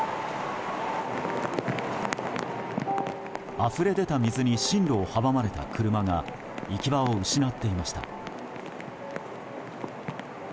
あふれ出た水に進路を阻まれた車が行き場を失っていました。